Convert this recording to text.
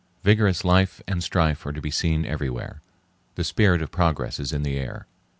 Vigorous life and strife are to be seen everywhere. The spirit of progress is in the air.